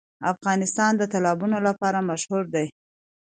افغانستان د تالابونه لپاره مشهور دی.